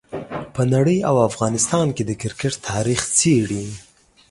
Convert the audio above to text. په نړۍ او افغانستان کې د کرکټ تاریخ څېړي.